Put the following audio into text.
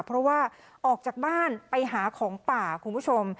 เพราะว่าออกจากบ้านไปหาของป่าคุณผู้ชม